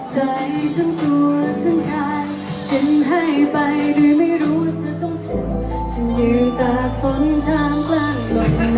ฉันรักหมดใจทั้งตัวทั้งกาย